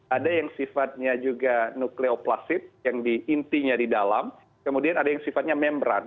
ada yang sifatnya juga nukleoplasid yang di intinya di dalam kemudian ada yang sifatnya membran